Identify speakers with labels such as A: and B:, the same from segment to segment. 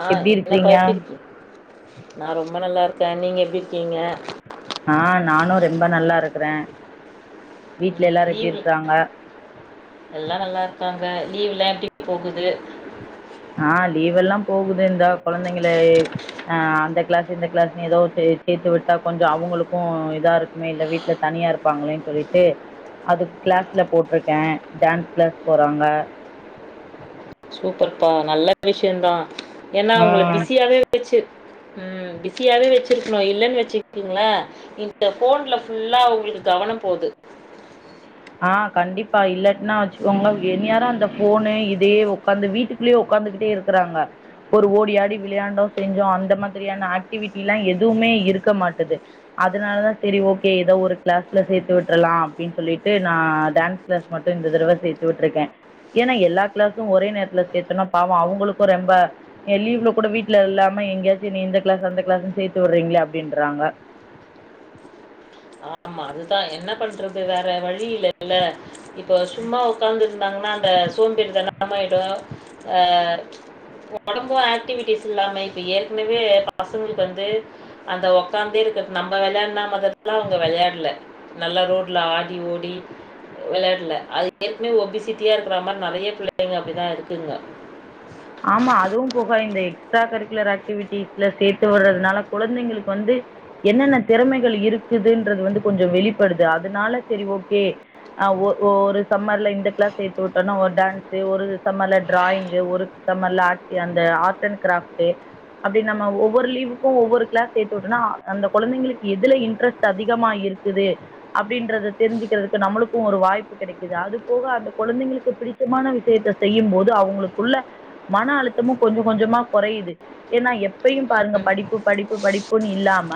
A: ஆ
B: எப்டி
A: என்னப்பா
B: இருக்கிறீங்க
A: எப்படியிருக்கி நா ரொம்ப நல்லா இருக் [unintelligible] நீங்க எப்டி இருக்கீங்க
B: ஆ நானு ரெம்ப நல்லா இருக்குறே வீட்ல எல்லாரு எப்டி
A: லீவு
B: இருக்காங்க
A: [unintelligible] லீவ்லா எப்டி போகுது
B: ஆ லீவ்வெல்லா போகுது இந்தா கொழந்தைங்கள ஆ அந்த கிளாஸ்ஸு இந்த கிளாஸ்ன்னு ஏதோ ஒண்ணு சேத்து விட்டா கொஞ்சு அவங்களுக்கு இதா இருக்குமே இல்ல வீட்டுல தனியா இருப்பாங்களேன்னு சொல்லிட்டு அதுக்கு கிளாஸ்ல போட்ருக்கே டான்ஸ் கிளாஸ் போறாங்க
A: சூப்பர்ப்பா நல்ல விஷயந்தா ஏன்னா உங்கள
B: ம்
A: பிஸியாவே வெச்சு உம் பிஸியாவே வச்சிருக்கணு இல்லனு வச்சுக்கீங்களே இந்த போன்ல புல்லா அவங்களுக்கு கவனம் போது
B: ஆ கண்டிப்பா இல்லட்டின்னா வச்சுக்கோங்க என்னேரோ அந்த போனு இதையே உக்காந்து வீட்டுக்குள்ளேயே உட்காந்துகிட்டே இருக்குறாங்க ஒரு ஓடியாடி விளையாண்டோ செஞ்சோ அந்த மாதிரியான ஆக்டிவிட்டிலா எதுவுமே இருக்க மாட்டது அதனாலதா சரி ஓக்கே எதோ ஒரு கிளாஸ்ல சேர்த்து விட்டுரலா அப்படின்னு சொல்லிட்டு ட்டு நா டேன்ஸ் கிளாஸ் மட்டு இந்த தடவ சேத்து விட்ருக்கே ஏன்னா எல்லா கிளாஸு ஒரே நேரத்துல சேர்த்தோனா பாவோ அவங்களுக்கு ரெம்ப எ லீவ்ல கூட வீட்டுல இல்லாம எங்கேயாச்சி நீ இந்த கிளாஸ் அந்த கிளாசுனு சேர்த்து விடுறீங்களே அப்படின்றாங்க
A: அதுதா என்ன பண்றது வேறு வழி இல்ல இல்ல இப்போ சும்மா உட்காந்துருந்தாங்கன்னா அந்த சோம்பேறி தனம்மாயிடு ஆ ஒடம்பு ஆக்டிவிட்டிஸ் இல்லாம இப்போ ஏற்கனவே பசங்களுக்கு வந்து அந்த உட்காந்தே இருக்கது நம்ப விளையாடுன மாதிரில்லா அவங்க விளையாடல நல்ல ரோட்ல ஆடி ஓடி விளையாடல அது ஏற்கனவே ஒபிசிட்டியா இருக்கிற மாறி நறைய பிள்ளைங்க அப்படிதா இருக்குங்க
B: ஆமா அதுவு போக இந்த எக்ஸ்ட்ரா கரிக்குலர் ஆக்டிவிட்டிஸ்ல சேத்து விடுறதுனால குழந்தைங்களுக்கு வந்து என்னென்ன திறமைகள் இருக்குதுன்றது வந்து கொஞ்சு வெளிப்படுது அதனால சேரி ஓக்கே ஒ, ஒ ஒரு சம்மர்ல இந்த கிளாஸ் சேர்த்து விட்டோம்னு ஒரு டான்ஸ்சு ஒரு சம்மர்ல ட்ராயிங்கு ஒரு [unintelligible] அந்த ஆர்ட் அண்ட் கிராஃப்டு அப்படி நம்ம ஒவ்வொரு லீவுக்கு ஒவ்வொரு கிளாஸ் சேத்து விட்டோனா அந்த குழந்தைங்களுக்கு எதுல இன்ட்ரெஸ்ட் அதிகமா இருக்குது அப்படின்றத தெரிஞ்சுக்கிறதுக்கு நம்மளுக்கு ஒரு வாய்ப்பு கெடைக்குது அது போக அந்த கொழந்தைங்களுக்கு பிடிச்சமான விஷயத்த செய்யும் போது அவங்களுக்குள்ள மன அழுத்தமு கொஞ்சு கொஞ்சுமா கொறையுது ஏன்னா எப்பயையு பாருங்க படிப்பு படிப்பு படிப்புன்னு இல்லாம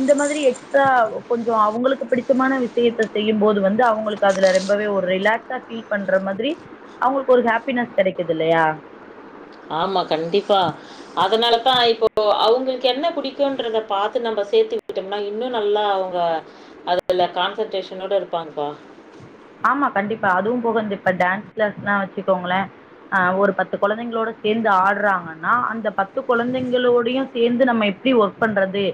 B: இந்த மாதிரி எக்ஸ்ட்ரா கொஞ்சு அவங்களுக்கு பிடிச்சமான விஷயத்த செய்யும் போது வந்து அவங்களுக்கு அதுல ரொம்பவே ஒரு ரிலாக்ஸா ஃபீல் பண்ற மாதிரி அவங்களுக்கு ஒரு ஹாப்பினஸ் கெடைக்குது இல்லையா
A: ஆமா கண்டிப்பா அதனாலதா இப்போ அவங்குளுக் கெண்ண புடிக்குன்றத பாத்து நம்ம சேர்த்துவிட்டோம்னா இன்னு நல்லா அவங்க அதுல கான்சென்ட்ரேஷனோடு இருப்பாங்கபா
B: ஆமா கண்டிப்பா அதுவு போக இப்ப டான்ஸ் கிளாஸ்னா வச்சுக்கோங்களே ஆ ஒரு பத்து குழந்தைங்களோட சேர்ந்து ஆடுறாங்கன்னா அந்த பத்து குழந்தைங்களோடையு சேர்ந்து நம்ம எப்படி ஒர்க் பண்றது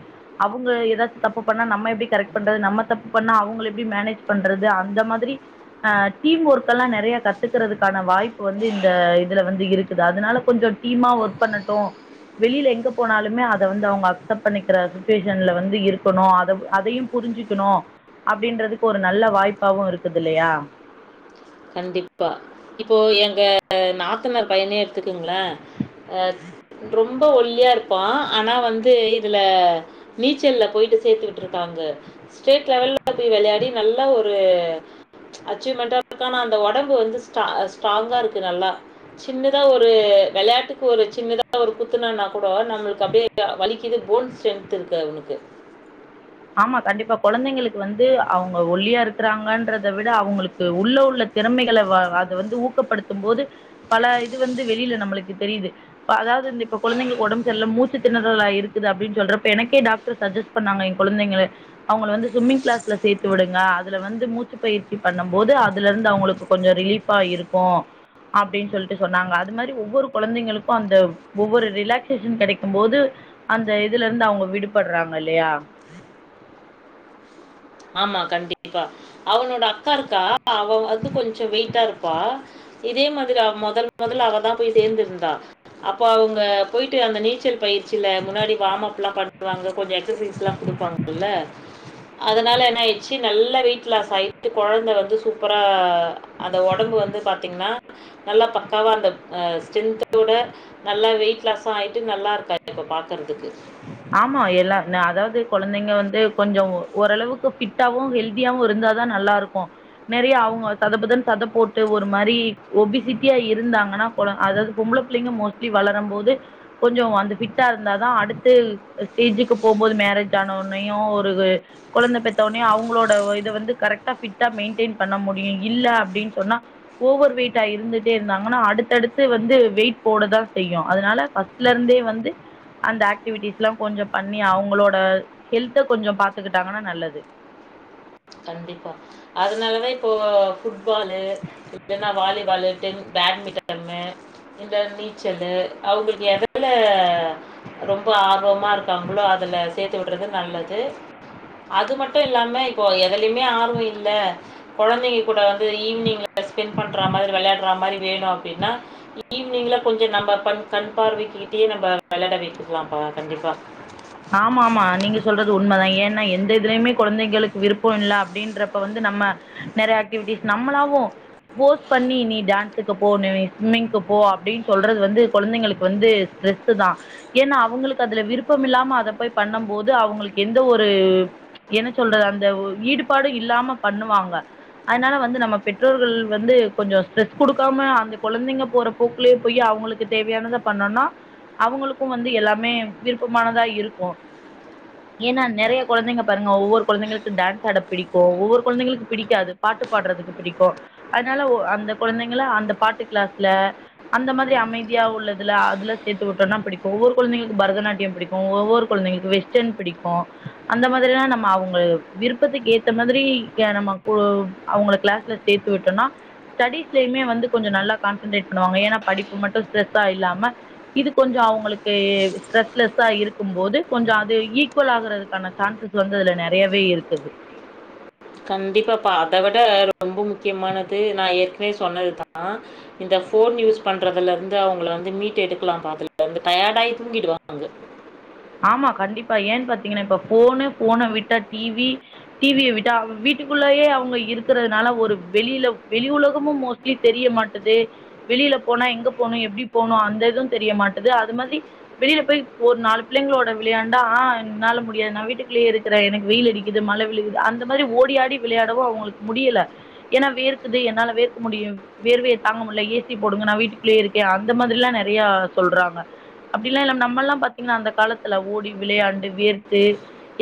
B: அவங்க எதாச்சு தப்பு பண்ணா நம்ம எப்படி கரெக்ட் பண்றது நம்ம தப்பு பண்ணா அவங்க எப்டி மேனேஜ் பண்றது அந்த மாதிரி அ டீம் ஒர்க் எல்லா நெறைய கத்துக்கிறதுக்கான வாய்ப்பு வந்து இந்த இதுல வந்து இருக்குது அதனால கொஞ்சு டீமா ஒர்க் பண்ணட்டு வெளியில எங்க போனாலுமே அத வந்து அவங்க அக்சப்ட் பண்ணிக்கிற சுச்சுவேஷன்ல வந்து இருக்கணு அத அதையு புரிஞ்சுக்கணு அப்படின்றதுக்கு ஒரு நல்ல வாய்ப்பாவு இருக்கு [unintelligible]
A: கண்டிப்பா இப்போ எங்க நாத்தனார் பையன எடுத்துக்குங்களே ஆ ரொம்ப ஒல்லியா இருப்பா ஆனா வந்து இதுல நீச்சல்ல போயிட்டு சேத்துவிட்ருக்காங்க ஸ்டேட் லெவல்ல போய் விளையாடி நல்ல ஒரு ம்ச் அச்சீவ்மெண்ட்டா அதற்கான அந்த ஒடம்பு வந்து ஸ்டா ஸ்ட்ராங்கா இருக்கு நல்லா சின்னதா ஒரு வெளையாட்டுக்கு ஒரு சின்னதா ஒரு குத்துனனா கூட நம்மளுக்கு அப்படியே வலிக்குது போன் ஸ்ட்ரென்த் இருக்கு அவனுக்கு
B: ஆமா கண்டிப்பா கொழந்தைங்களுக்கு வந்து அவங்க ஒல்லியா இருக்கறாங்கன்றத விட அவங்களுக்கு உள்ள உள்ள திறமைகள வ அத வந்து ஊக்கப்படுத்தும் போது பல இது வந்து வெளியில நம்மளுக்கு தெரியுது ப்ப அதாவது வந்து இப்ப கொழந்தைங்களுக்கு ஒடம்பு சரியல்லல மூச்சு திணறலா இருக்குது அப்படின்னு சொல்றப்ப எனக்கே டாக்டர் சஜெஸ்ட் பண்ணாங்க எங் கொழந்தைங்கள அவங்கள வந்து சும்மிங் கிளாஸ்ல சேத்து விடுங்க அதுல வந்து மூச்சு பயிற்சி பண்ணும் போது அதுல இருந்து அவங்களுக்கு கொஞ்சு ரிலீபா இருக்கு அப்படின்னு சொல்லிட்டு சொன்னாங்க அதே மாதிரி ஒவ்வொரு கொழந்தைங்களுக்கு அந்த ஒவ்வொரு ரிலாக்சேஷன் கெடைக்கு போது அந்த இதுல இருந்து அவங்க விடுபடுறாங்க இல்லையா
A: ஆமா கண்டிப்பா அவனோட அக்கா இருக்கா அவ வந்து கொஞ்சு வெயிட்டா இருக் பா இதே மாதிரி அவ மொதல் மொதல்ல அவதா போயி சேர்ந்திருந்தா அப்ப அவங்க போயிட்டு அந்த நீச்சல் பயிற்சி ச்சில முன்னாடி வார்ம் அப்லா பன் பண்ணுவாங்க கொஞ்சு எக்சசைஸ்லா கொடுப்பாங்கில்ல அதனால என்ன ஆயிச்சு நல்ல வெயிட் லாஸ் ஆயிட்டு கொழந்த வந்து சூப்பரா அந்த ஒடம்பு வந்து பாத்திங்கனா நல்லா பக்காவா அந்த ஸ்ட்ரென்த்தோட நல்லா வெயிட் லாசு ஆயிட்டு நல்லா இருக்காது இப்போ பாக்கறதுக்கு
B: ஆமா எல்லா நா அதாவது கொழந்தைங்க வந்து கொஞ்சு ஓரளவுக்கு ஃபிட்டாவு ஹெல்தியாவு இருந்தாதா நல்லா இருக்கு நெறையா அவங்க சதபுதன்னு சதப் போட்டு ஒரு மாரி ஒபிசிட்டியா இருந்தாங்கன்னா பொள அதாவது பொம்பள புள்ளைங்க மோஸ்ட்லி வளரும் போது கொஞ்சு அந்த ஃபிட்டா இருந்தாதா அடுத்து ஸ்டேஜுக்கு போம்போது மேரேஜ் ஆன உனையு ஒரு கொழந்த பெத்தவுடனையு அவங்களோட இதை வந்து கரெக்டா ஃபிட்டா மெயின்டெயின் பண்ண முடியும் இல்ல அப்படின்னு சொன்னா ஓவர் வெயிட்டா இருந்துட்டே இருந்தாங்கன்னா அடுத்தடுத்து வந்து வெயிட் போட தா செய்யு அதனால பர்ஸ்ட்ல இருந்தே வந்து அந்த ஆக்டிவிட்டிஸ் ல்லாம் கொஞ்சம்
A: கண்டிப்பா அதனாலதா இப்போ ஃபுட் புட்பாலு இல்லைன்னா வாலிபாலு பேட்மிட்டனு இந்த நீச்சலு அவங்களுக்கு எதல ரொம்ப ஆர்வமா இருக்காங்களோ அதுல சேர்த்து விடுறது நல்லது அது மட்டும் இல்லாம இப்போ எதுலயுமே ஆர்வம் இல்ல கொழந்தைங்க கூட வந்து ஈவி்னிங்கில ஸ்பெண்ட் பண்ணுற மாரி விளையாடுற மாதிரி வேணும் அப்படின்னா ஈவினிங்கில கொஞ்சம் நம்ப பண் கண் பார்வைக்கிட்டயே நம்ம விளையாட வைக்கக்கலாம்ப்பா கண்டிப்பாக
B: ஆமா ஆமா நீங்க சொல்றது உண்மதா ஏன்னா எந்த இதுலயுமே கொழந்தைங்களுக்கு விருப்பம் இல்ல அப்படின்றப்ப வந்து நம்ம நெறைய ஆக்டிவிட்டிஸ் நம்மளாவும் போஸ் பண்ணி நீ டான்ஸுக்கு போ நீ சும்மிங்க்கு போ அப்படின்னு சொல்றது வந்து கொழந்தைங்களுக்கு வந்து ஸ்ட்ரெஸ்சு தா ஏன்னா அவங்களுக்கு அதுல விருப்பம் இல்லாம அதை போய் பண்ணும் போது அவங்களுக்கு எந்த ஒரு என்ன சொல்றது அந்த ஈடுபாடும் இல்லாம பண்ணுவாங்க அதனால வந்து நம்ம பெற்றோர்கள் வந்து கொஞ்சம் ஸ்ட்ரெஸ் கொடுக்காம அந்த குழந்தைங்க போற போக்குலேயே போய் அவங்களுக்கு தேவையானதை பண்ணோம்னா அவங்களுக்கும் வந்து எல்லாமே விருப்பமானதா இரு கோ ஏன்னா நிறைய குழந்தைங்க பாருங்க ஒவ்வொரு குழந்தைங்களுக்கு டான்ஸ் ஆட பிடிக்கும் ஒவ்வொரு குழந்தைங்களுக்கு பிடிக்காது பாட்டு பாடுறதுக்கு பிடிக்கும் அதனால அந்த குழந்தைங்க அந்த பாட்டு கிளாஸ்ல அந்த மாதிரி அமைதியா உள்ளதுல அதுல சேர்த்து விட்டோம்னா பிடிக்கும் ஒவ்வொரு குழந்தைகளுக்கு பரதநாட்டியம் பிடிக்கும் ஒவ்வொரு குழந்தைங்களுக்கு வெஸ்டர்ன் பிடிக்கும் அந்த மாதிராம் நம்ம அவங்க விருப்பத்துக்கு ஏத்த மாதிரி நம்ம அவங்க கிளாஸ்ல சேர்த்து விட்டோம்னா ஸ்டடிஸ்லுமே வந்து கொஞ்சம் நல்லா கான்சன்ட்ரேட் பண்ணுவாங்க ஏன்னா படிப்பு மட்டும் ஸ்ட்ரெஸ்ஸா இல்லாம இது கொஞ்சம் அவங்களுக்கு ஸ்ட்ரெஸ்லெஸ்ஸா இருக்கும் போது கொஞ்சம் அது ஈக்குவல் ஆகுறதுக்கான சான்சஸ் வந்து அதுல நிறையவே இருக்குது
A: கண்டிப்பாப்ப அதை விட ரொம்ப முக்கியமானது நா ஏற்கனவே சொன்னதுதா இந்த ஃபோன் யூஸ் பண்றதுல இருந்து அவங்கள வந்து மீட் எடுக்கலாம் ப அதலந்து டயர்டாயி தூங்கிடுவாங்க
B: ஆமா கண்டிப்பா ஏன் பாத்தீங்கன்னா இப்ப போனு போனை விட்டா டிவி டிவிய விட்டா வீட்டுக்குள்ளயே அவங்க இருக்கிறதுனால ஒரு வெளியில வெளி உலகமும் மோஸ்ட்லி தெரிய மாட்டது வெளியில போனா எங்க போனும் எப்படி போனும் அந்த இதும் தெரிய மாட்டது அது மாதிரி வெளியில போய் ஒரு நாலு பிள்ளைங்களோட விளையாண்டா ஆஹ் என்னால முடியாது நான் வீட்டுக்குள்ளேயே இருக்கிறேன் எனக்கு வெயில் அடிக்குது மழை விழுகுது அந்த மாதிரி ஓடிாடி விளையாடவும் அவங்களுக்கு முடியல ஏன்னா வேர்கக்குது என்னால வேர்க்க முடியும் வேர்வையை தாங்க முடியல ஏசி போடுங்க நான் வீட்டுக்குள்ளேயே இருக்கேன் அந்த மாதிரிலா நிறைய சொல்றாங்க அப்படிலாம் இ நம்மல்லாம் பா்த்தீங்கன்னா அந்த காலத்துல ஓடி விளையாண்டு வேர்த்து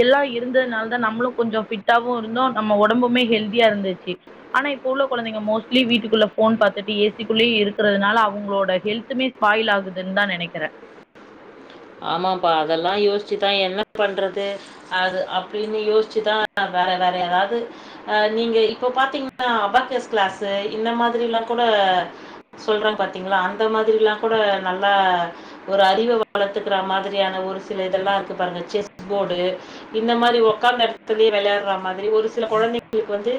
B: எல்லாம் இருந்ததுனால தான் நம்மளும் கொஞ்சம் ஃபிட்டாவும் இருந்தோம் நம்ம உடம்புமே ஹெல்தியா இருந்துச்சு ஆனா இப்போ உள்ள குழந்தைங்க மோஸ்ட்லி வீட்டுக்குள்ள போன் பார்த்துட்டு ஏசிக்குள்ளேயே இருக்கிறதுனால அவங்களோட ஹெல்த்துமே ஸ்பாயில் ஆகுதுன்னுதா நினைக்கிறே
A: ஆமாப்பா அதெல்லாம் யோசிச்சுதான் என்ன பண்றது அது அப்படின்னு யோசிச்சுதா வேற வேற அதாவது அஹ் நீங்க இப்ப பாத்தீங்கன்னா அபக்கஸ் கிளாஸ் இந்த மாதிரி எல்லாம் கூட சொல்றாங்க பாத்தீங்களா அந்த மாதிரில்லா கூட நல்லா ஒரு அறிவு வளர் க்க மாதிரியான ஒரு சில இதல்லா இருக்கு பாருங்க செஸ் போர்டு இந்த மாதிரி உக்காந்து விளையாடுற மாரி ஒரு சில குழந்தைங்களுக்கு வந்து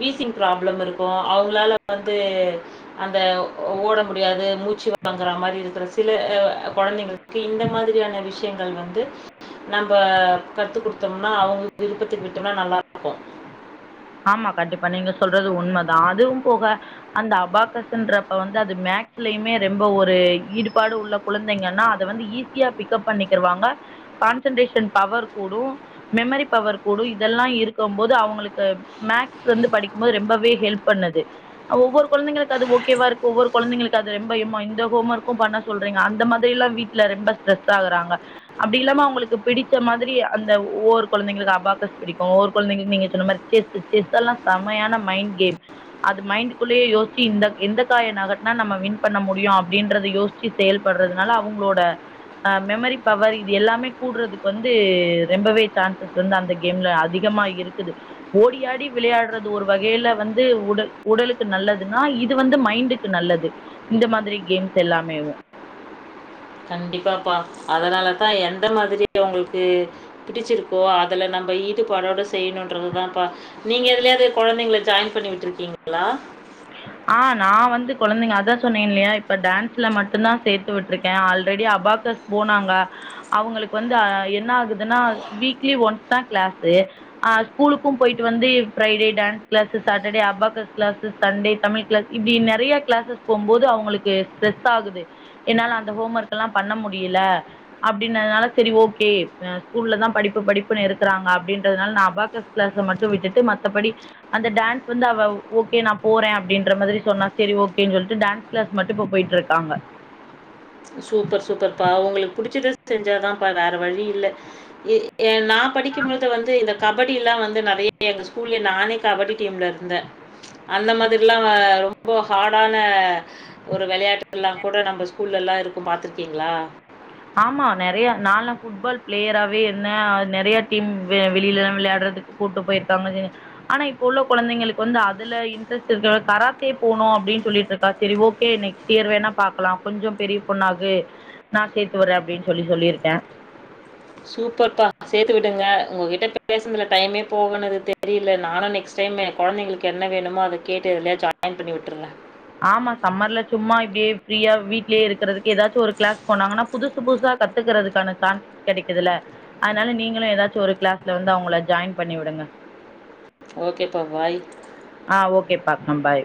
A: வீசிங் ப்ராப்ளம் இருக்கும் அவங்களால வந்து அந்த ஓட முடியாது மூச்சுங்கற மாதிரி இருக்கிற சில எ குழந்தைங்களு இந்த மாதிரியான விஷயங்கள் வந்து நம்ம கத்து கொடுத்தோம்னா அவங்க விருப்பத்துக்கு விட்டோம்னா நல்லா இருக்கும்
B: ஆமா கண்டிப்பா நீங்க சொல்றது உண்மைதான் அதுவும் போக அந்த அபாக்கஸ்ன்றப்ப வந்து அது மேக்ஸ்லயுமே ரொம்ப ஒரு ஈடுபாடு உள்ள குழந்தைங்கன்னா அதை வந்து ஈஸியா பிக்கப் பண்ணிக்கிருவாங்க கான்சன்ட்ரேஷன் பவர் கூடும் மெமரி பவர் கூடும் இதெல்லாம் இருக்கும் போது அவங்களுக்கு மேக்ஸ் வந்து படிக்கும்போது ரொம்பவே ஹெல்ப் பண்ணுது ஒவ்வொ குழைங்களுக்கு அது ஓகேவா இருக்கு ஒவ்வொரு குழந்தைங்களுக்கு அது ரொம்பமா இந்த ஹோம் ஒர்க்கும் பண்ணா சொல்றீங்க அந்த மாதிரி எல்லாம் வீட்டுல ரொம்ப ஸ்ட்ரெஸ் ஆகுறாங்க அப்படி இல்லாம அவங்களுக்கு பிடிச்ச மாதிரி அந்த ஒவ்வொரு குழந்தைங்களுக்கு அபாக்கஸ் பிடிக்கும் ஒவ்வொரு குழந்தைங்களுக்கு நீங்க சொன்ன மாதிரி செஸ் செஸ் எல்லாம் சமையான மைண்ட் கே அது மைண்ட்கள்ளயே யோசிச்சு இந்த எந்த காய நகட்டனா நம்ம வின் பண்ண முடியும் அப்படின்றத யோசிச்சு செயல்படுறதுனால அவங்களோடஹ் மெமரி பவர் இது எல்லாமே கூடுறதுக்கு வந்து ரொம்பவே சான்சஸ் வந்து அந்த கேம்ல அதிகமா இருக்குது ஓடியாடி டி விளையாடுறது ஒரு வகையில வந்து உடல் உடலுக்கு நல்லதுன்னா இது வந்து மைண்டுக்கு நல்லது இந்த மாதிரி கேம்ஸ் எல்லாமேவு
A: கண்டிப்பாப்பா அதனாலதான் எந்த மாதிரி உங்களுக்கு பிடிச்சிருக்கோ அதுல நம்ம ஈடுபாடோட செய்யணும்ன்றதுதான்ப்பா நீங்க இதுலய அது குழந்தைங்க ஜாயின் பண்ணி விட்டு இருக்கீங்களா
B: ஆஹ் நான் வந்து குழந்தைங்க அதான் சொன்னீன் இல்லையா இப்ப டான்ஸ்ல மட்டும் தான் சேர்த்து விட்டுருக்கேன் ஆல்ரெடி அபாக்கஸ் போனாங்க அவங்களுக்கு வந்து என்ன ஆகுதுன்னா வீக்லி ஒன்ஸ் தான் கிளாஸ் ஆஹ் ஸ்கூலுக்கும் போயிட்டு வந்து Friday dance class Saturday abacus class Sunday Tamil class இப்படி நிறைய கிளாஸஸ் போகும்போது அவங்களுக்கு ஸ்ட்ரெஸ் ஆகுது என்னால அந்த ஹோம் ஒர்க் எல்லாம் பண்ண முடியல அப்படனதுனால சரி ஓகே ஸ்கூல்ல தான் படிப்பு படிப்புன்ன இருக்கிறாங்க அப்படின்றதுனால நான் அபாக்கஸ் கிளாஸ் மட்டும் விட்டுட்டு மற்றபடி அந்த டான்ஸ் வந்து அவ ஓகே நா போறேன் அப்படின்ற மாதிரி சொன்னா சரி ஓகேன்னு சொல்லிட்டு டான்ஸ் கிளாஸ் மட்டும் இப்ப போயிட்டு இருக்காங்க
A: சூப்பர் சூப்பர் பா உங்களுக்கு புிடிச்சத செஞ்சாதான்ப்ப வேற வழி இல்ல நான் படிக்கும் போது வந்து இந்த க கபடிலாம் வந்து நிறைய எங்கள் ஸ்கூல்லயே நானே கபடி டீமில் இருந்தேன் அந்த மாதிரிலாம் ரொம்ப ஹார்டான ஒரு விளையாட்டு எல்லாம் கூட நம்ம புல் எல்லா இருக் பாத்துருக்கீங்களா
B: ஆமா நிறைய நால புட்பால் பிளேயராவே என்ன நிறைய டீம் வெளியில எல்லாம் விளையாடுறதுக்கு கூட்டு போயிருக்காங்கு ஆனா இப்ப உள்ள குழந்தைங்களுக்கு வந்து அதுல இன்ட்ரெஸ்ட் இருக்க கராத்தே போணும் அப்படின்னு சொல்லிட்டு இருக்கா சரி ஓகே நெக்ஸ்ட் இயர் வேணா பாக்கலாம் கொஞ்சம் பெரிய பொண்ணாகு சேர்த்து வறேன் அப்படின்னு சொல்லி சொல்லியிருக்கே
A: சூப்பரப்பா சேர்த்து விடுங்க உங்ககிட்ட பேசதுல டைமே போகணுது தெரியல நானும் நெக்ஸ்ட் டைம் குழந்தைங்களுக்கு என்ன வேணுமோ அதை கேட்டுதுலயே ஜாயின் பண்ணி விட்டுருங்க
B: ஆமா சம்மர்ல சும்மா இப்படியே ஃப்ரீயா வீட்லயே இருக்கறதுக்கு ஏதாச்சும் ஒரு கிளாஸ் போனாங்கன்னா புதுசு புதுசா கத்துக்கறதுக்கான சான்சஸ் கிடைக்குதுல்ல அதனால நீங்களும் ஏதாச்சும் ஒரு கிளாஸ்ல வந்து அவங்கள ஜாயின் பண்ணி விடுங்க
A: ஓகே ப பாய்
B: ஆஹ் ஓகே பாக்லாம் பாய்